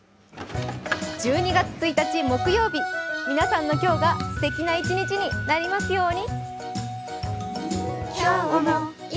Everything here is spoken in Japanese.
１２月１日木曜日、皆さんの今日がすてきな一日になりますように。